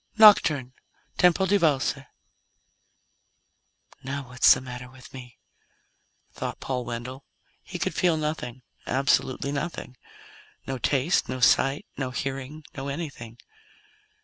NOCTURNE TEMPO DI VALSE "Now what the hell's the matter with me?" thought Paul Wendell. He could feel nothing. Absolutely nothing: No taste, no sight, no hearing, no anything.